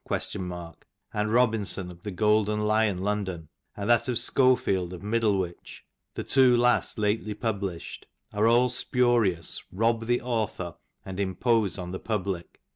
] and Robinson of the " Golden Lyon, London, and that of Schofield of Middlewich, the " two last lately published, are all spurious, rob the author, and im " pose on the public.'